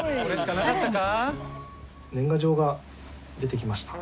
更に年賀状が出てきました。